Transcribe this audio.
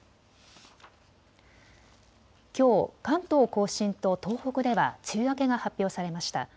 きょう関東甲信と東北では梅雨明けが発表されました。